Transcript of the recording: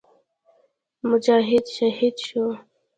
مجاهد شهید شو.